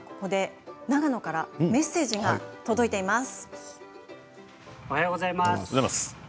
長野からメッセージが届いています。